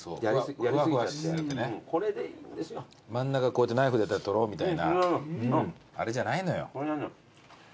真ん中こうやってナイフでやったらとろーみたいなあれじゃないのよ。